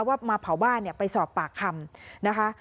ว่ามาเผาบ้านไปสอบปากคำนะคะ